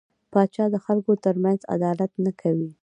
پاچا د خلکو ترمنځ عدالت نه کوي .